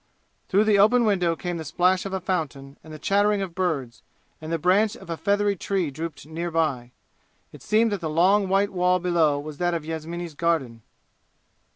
Through the open window came the splash of a fountain and the chattering of birds, and the branch of a feathery tree drooped near by. It seemed that the long white wall below was that of Yasmini's garden.